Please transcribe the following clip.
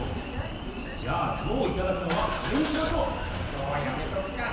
じゃあ今日いただくのはこれにしましょう！今日はやめとくか。